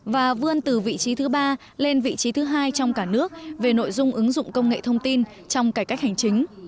và vươn từ vị trí thứ ba lên vị trí thứ hai trong cả nước về nội dung ứng dụng công nghệ thông tin trong cải cách hành chính